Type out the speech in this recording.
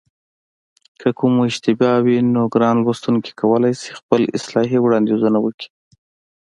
که کومه اشتباه وي نو ګران لوستونکي کولای شي خپل اصلاحي وړاندیزونه وکړي